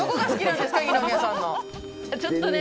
二宮さんの。